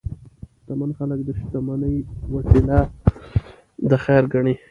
شتمن خلک د شتمنۍ وسیله د خیر ګڼي.